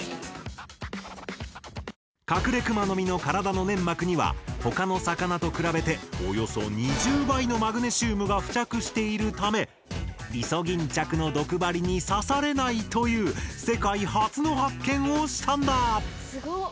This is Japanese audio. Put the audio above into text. カクレクマノミの体の粘膜には他の魚と比べておよそ２０倍のマグネシウムが付着しているためイソギンチャクの毒針に刺されないという世界初の発見をしたんだ！